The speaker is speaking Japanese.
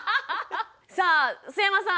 さあ須山さん